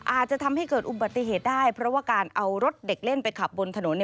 อาจจะทำให้เกิดอุบัติเหตุได้เพราะว่าการเอารถเด็กเล่นไปขับบนถนน